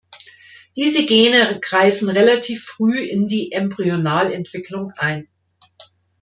Diese Gene greifen relativ früh in die Embryonalentwicklung ein.